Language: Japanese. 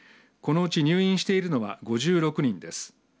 このうち入院しているのは５６人です。